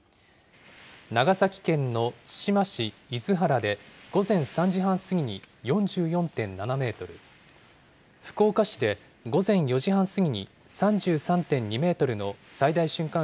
長崎県の対馬市厳原で午前３時半過ぎに４４．７メートル、福岡市で午前４時半過ぎに３３．２メートルの最大瞬間